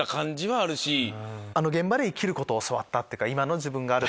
「あの現場で生きることを教わった今の自分がある」